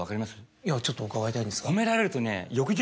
いやちょっと伺いたいんですが。